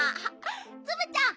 ツムちゃん